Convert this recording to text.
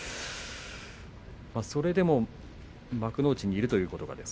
それでも幕内にいるということは。